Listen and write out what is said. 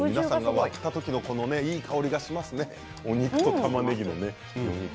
割った時、いい香りがしますよね、お肉とたまねぎの。